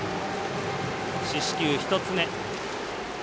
四死球１つ目。